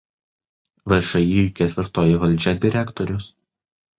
VšĮ „Ketvirtoji valdžia“ direktorius.